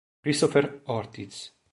Christopher Ortiz